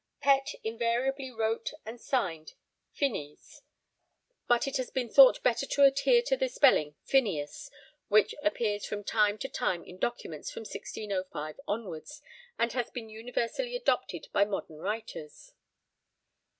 Pett invariably wrote and signed 'Phinees' but it has been thought better to adhere to the spelling 'Phineas,' which appears from time to time in documents from 1605 onwards and has been universally adopted by modern writers.